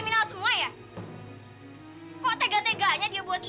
mililah dalam hidupmu